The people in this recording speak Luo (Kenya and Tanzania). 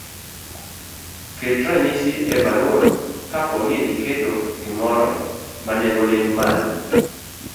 ket ranyisi e baruano kapo ni iketo gimoro ma nengone ni malo,